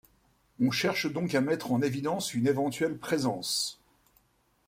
On cherche donc à mettre en évidence une éventuelle présence.